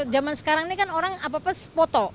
zaman sekarang ini kan orang apa apa foto